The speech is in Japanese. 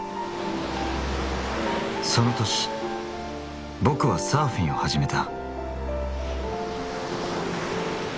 その年ボクはサーフィンを始めた。